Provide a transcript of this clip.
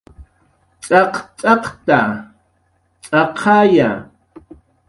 "cx""aqcx""aqta, cx'aqaya"